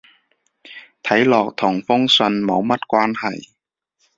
睇落同封信冇乜關係